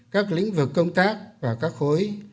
các lĩnh vực công tác và các khối